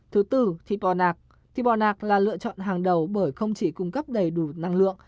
thứ tử thịt bò nạc thì bò nạc là lựa chọn hàng đầu bởi không chỉ cung cấp đầy đủ năng lượng